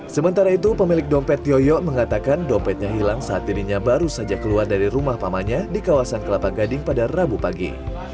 sementara itu pemilik dompet yoyo mengatakan dompetnya hilang saat dirinya baru saja keluar dari rumah pamannya di kawasan kelapa gading pada rabu pagi